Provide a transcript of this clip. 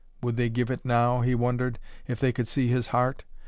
Would they give it now, he wondered, if they could see his heart?